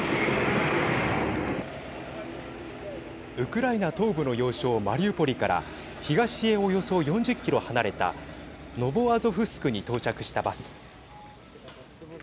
ウクライナ東部の要衝マリウポリから東へおよそ４０キロ離れたノボアゾフスクに到着したバス。